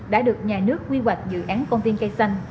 đã được nhà nước quy hoạch dự án công viên cây xanh